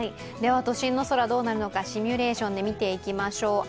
都心の空、どうなるのかシミュレーションで見てみましょう。